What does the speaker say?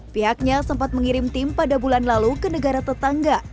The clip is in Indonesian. pihaknya sempat mengirim tim pada bulan lalu ke negara tetangga